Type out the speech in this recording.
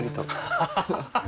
ハハハッ。